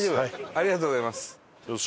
ありがとうございます。